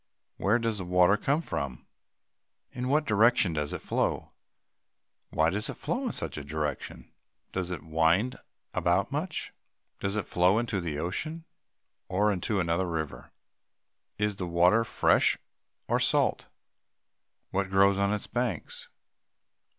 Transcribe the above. Where does the water come from? In what direction does it flow? Why does it flow in such direction? Does it wind about much? Does it flow into the ocean, or into another river? Is the water fresh or salt? What grow on its banks?